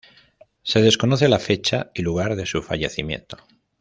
Se desconoce la fecha y lugar de su fallecimiento.